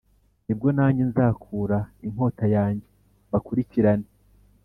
ni bwo nanjye nzakura inkota yanjye mbakurikirane